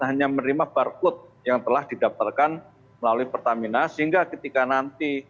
hanya menerima barcode yang telah didaftarkan melalui pertamina sehingga ketika nanti